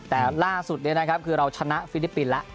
แต่ล่าสุดนี้นะครับคือเราชนะฟิลิปปินส์แล้ว